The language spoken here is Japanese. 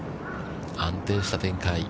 安定した展開。